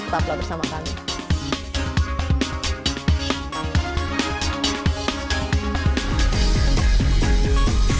tetaplah bersama kami